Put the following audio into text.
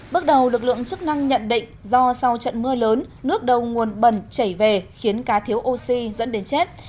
bước đầu lực lượng chức năng nhận định do sau trận mưa lớn nước đầu nguồn bẩn chảy về khiến cá thiếu oxy dẫn đến chết